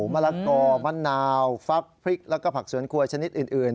มะละกอมะนาวฟักพริกแล้วก็ผักสวนครัวชนิดอื่น